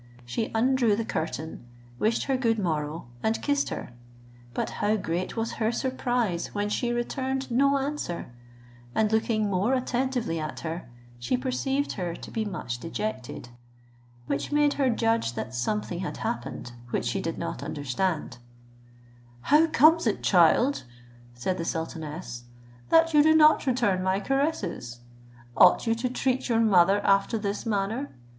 She undrew the curtain, wished her good morrow, and kissed her. But how great was her surprise when she returned no answer; and looking more attentively at her, she perceived her to be much dejected, which made her judge that something had happened, which she did not understand "How comes it, child," said the sultaness, "that you do not return my caresses? Ought you to treat your mother after this manner?